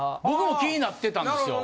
僕も気になってたんです。